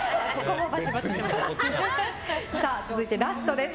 続いてラストです